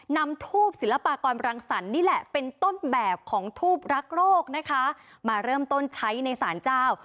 นำทูบศิลปากรังสรรค์นี่แหละเป็นต้นแบบของทูบรักโรคนะคะมาเริ่มต้นใช้ในสารเจ้า